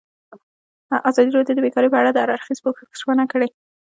ازادي راډیو د بیکاري په اړه د هر اړخیز پوښښ ژمنه کړې.